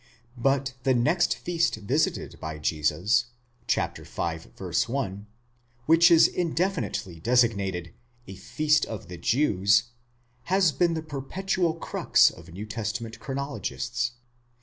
But the next feast visited by Jesus (v. 1) which is indefinitely designated a feast of the Jews, has been the perpetual crux of New Testament chronologists.